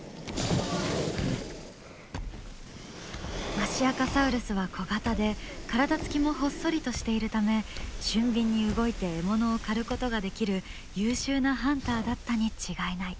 マシアカサウルスは小型で体つきもほっそりとしているため俊敏に動いて獲物を狩ることができる優秀なハンターだったに違いない。